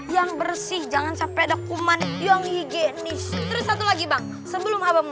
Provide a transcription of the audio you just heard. yang bersih jangan sampai dokumen yang higienis terus lagi bang sebelum abang